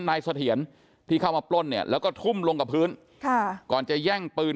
นายสเถียนที่เข้ามาปล้นแล้วก็ทุ่มลงกับพื้นก่อนจะแย่งปืน